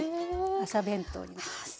朝弁当になります。